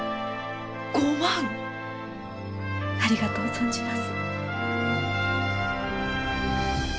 ありがとう存じます。